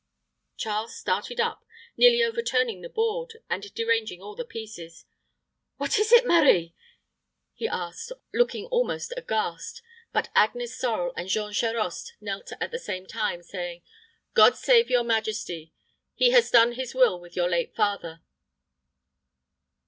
Charles started up, nearly overturning the board, and deranging all the pieces. "What is it, Marie?" he asked, looking almost aghast; but Agnes Sorel and Jean Charost knelt at the same time, saying, "God save your majesty! He has done his will with your late father."